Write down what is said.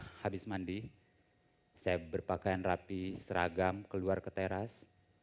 dan ketika habis mandi saya berpakaian rapi seragam keluar ke teras